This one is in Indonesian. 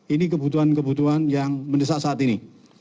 ini kebutuhan kebutuhan yang mendesak saat ini